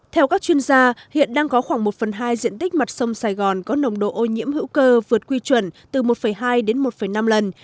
theo các chuyên gia hiện đang có khoảng một phần hai diện tích mặt sông sài gòn có nồng độ ô nhiễm hữu cơ vượt quy chuẩn từ một hai đến một năm lần